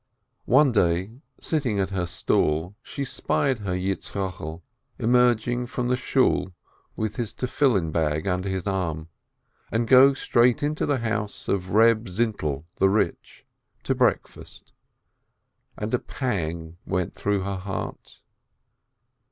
One day, sitting at her stall, she spied her Yitzchokel emerge from the Shool Gass with his Tefillin bag under his arm, and go straight into the house of Reb Zindel the rich, to breakfast, and a pang went through her heart.